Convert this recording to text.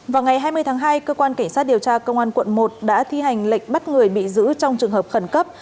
vào ngày hai mươi tháng hai cơ quan cảnh sát điều tra công an quận một đã thi hành lệnh bắt người bị giữ trong trường hợp khẩn cấp